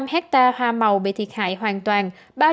bốn trăm chín mươi năm hectare hoa màu bị thiệt hại hoàn toàn